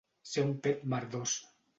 Ser un pet merdós.